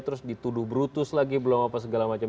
terus dituduh brutus lagi belum apa segala macam